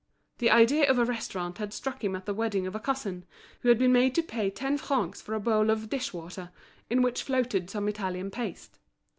The idea of a restaurant had struck him at the wedding of a cousin, who had been made to pay ten francs for a bowl of dish water, in which floated some Italian paste.